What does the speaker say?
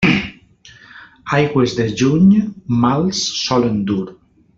Aigües de juny, mals solen dur.